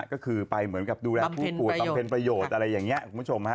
ก็คือไปเหมือนกับดูแลผู้ป่วยบำเพ็ญประโยชน์อะไรอย่างนี้คุณผู้ชมฮะ